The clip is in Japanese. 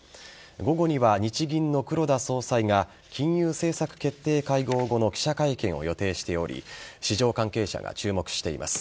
午後には、日銀の黒田総裁が金融政策決定会合後の記者会見を予定しており市場関係者が注目しています。